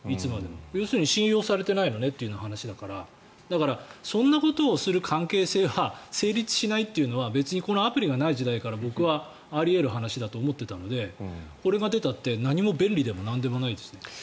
要するに信用されてないのねって話なのでそういうことをする関係性は成立しないというのはこのアプリがない時代から僕はあり得る話だと思っていたのでこれが出たって便利でもなんでもないですね。